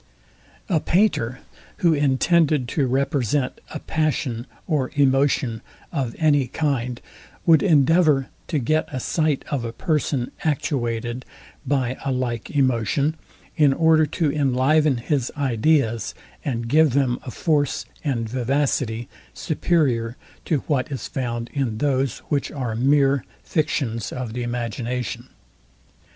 A painter, who intended to represent a passion or emotion of any kind, would endeavour to get a sight of a person actuated by a like emotion, in order to enliven his ideas, and give them a force and vivacity superior to what is found in those, which are mere fictions of the imagination.